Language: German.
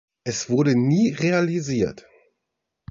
Es wurde nie realisiert.